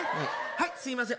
はいすいません